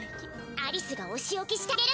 アリスがお仕置きしてあげる！